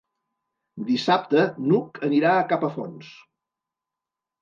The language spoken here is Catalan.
Dissabte n'Hug anirà a Capafonts.